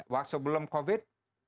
waktu sebelum covid